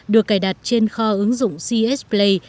được cài đặt trên kho ứng dụng cs play